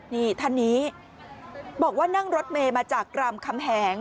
นี่ท่านนี้บอกว่านั่งรถเมย์มาจากรามคำแหง